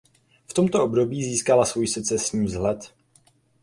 V tomto období získala svůj secesní vzhled.